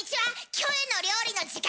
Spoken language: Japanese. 「キョエの料理」の時間です。